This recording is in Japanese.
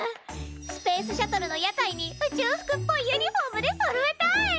スペースシャトルの屋台に宇宙服っぽいユニフォームでそろえたい。